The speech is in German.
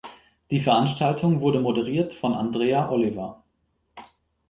Die Veranstaltung wurde moderiert von Andrea Oliver.